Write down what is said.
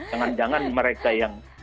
jangan jangan mereka yang